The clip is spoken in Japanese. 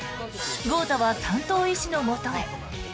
豪太は担当医師のもとへ。